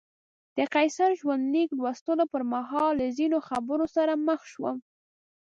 د قیصر ژوندلیک لوستلو پر مهال له ځینو خبرو سره مخ شوم.